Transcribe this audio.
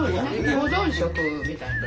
保存食みたいな。